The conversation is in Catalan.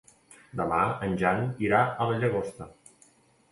Demà en Jan irà a la Llagosta.